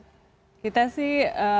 kita sih balikin lagi kepada semua